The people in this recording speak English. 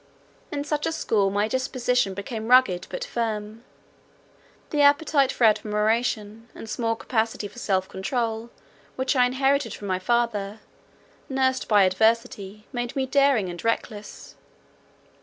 In such a school my disposition became rugged, but firm. The appetite for admiration and small capacity for self controul which I inherited from my father, nursed by adversity, made me daring and reckless.